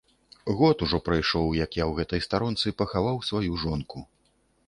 Год ужо прайшоў, як я ў гэтай старонцы пахаваў сваю жонку.